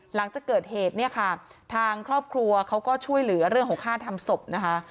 หลังจากเกิดเหตุเนี่ยค่ะทางครอบครัวเขาก็ช่วยเหลือเรื่องของค่าทำศพนะคะ